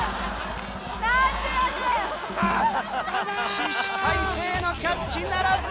起死回生のキャッチならず！